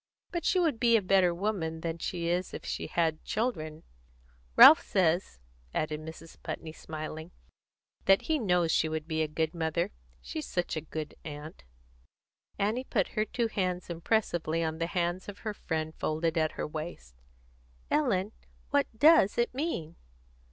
But she would be a better woman than she is if she had children. Ralph says," added Mrs. Putney, smiling, "that he knows she would be a good mother, she's such a good aunt." Annie put her two hands impressively on the hands of her friend folded at her waist. "Ellen, what does it mean?"